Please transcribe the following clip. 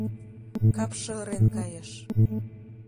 Капше ырен кайыш.